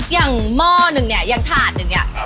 หม้อหนึ่งเนี่ยอย่างถาดหนึ่งเนี่ย